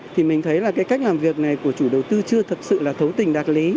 thì mình thấy là cái cách làm việc này của chủ đầu tư chưa thật sự là thấu tình đạt lý